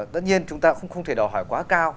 tất nhiên chúng ta cũng không thể đòi hỏi quá cao